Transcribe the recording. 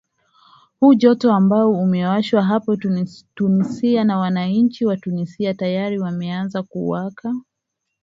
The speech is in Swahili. huu moto ambao umeashwa hapa tunisia na wananchi wa tunisia tayari unaanza kuwaka